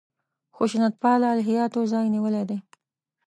خشونت پاله الهیاتو ځای نیولی دی.